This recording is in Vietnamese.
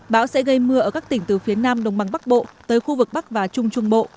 bão sẽ gây mưa ở các tỉnh từ phía nam đồng bằng bắc bộ tới khu vực bắc và trung trung bộ